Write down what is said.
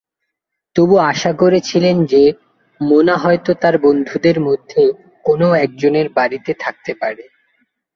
তারা আশা করেছিলেন যে, মোনা হয়তো তার বন্ধুদের মধ্যে কোনও একজনের বাড়িতে থাকতে পারে।